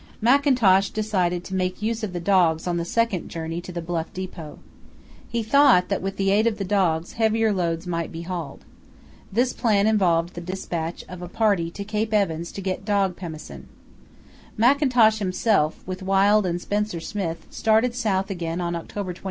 Mackintosh decided to make use of the dogs on the second journey to the Bluff depot. He thought that with the aid of the dogs heavier loads might be hauled. This plan involved the dispatch of a party to Cape Evans to get dog pemmican. Mackintosh himself, with Wild and Spencer Smith, started south again on October 29.